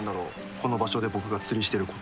この場所で僕が釣りしてること。